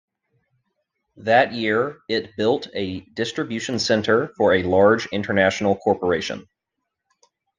That year, it built a distribution center for a large international corporation.